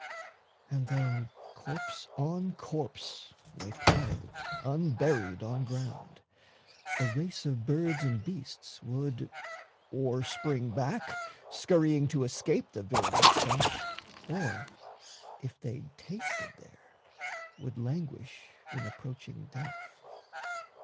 And though corpse on corpse lay piled Unburied on ground, the race of birds and beasts Would or spring back, scurrying to escape The virulent stench, or, if they'd tasted there, Would languish in approaching death.